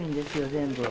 全部。